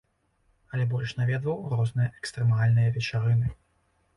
Але больш наведваў розныя экстрэмальныя вечарыны.